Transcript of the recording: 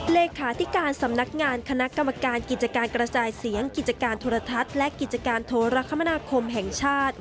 เลขาธิการสำนักงานคณะกรรมการกิจการกระจายเสียงกิจการโทรทัศน์และกิจการโทรคมนาคมแห่งชาติ